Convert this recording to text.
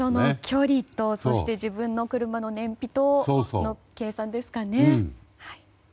距離と自分の車の燃費との計算ですかね。